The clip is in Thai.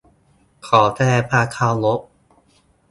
ขอแสดงความเคารพ